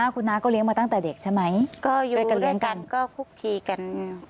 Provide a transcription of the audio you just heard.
คุณน้าก็เลี้ยงมาตั้งแต่เด็กใช่ไหมก็อยู่ด้วยกันเลี้ยงกันก็คุกคีกัน